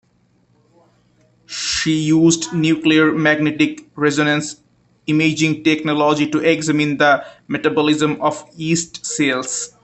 She used nuclear magnetic resonance imaging technology to examine the metabolism of yeast cells.